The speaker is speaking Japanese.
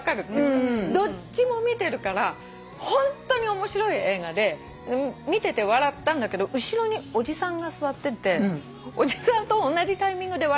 どっちも見てるからホントに面白い映画で見てて笑ったんだけど後ろにおじさんが座ってておじさんと同じタイミングで笑ったりして。